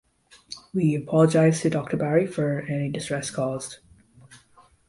We apologise to Doctor Bari for any distress caused.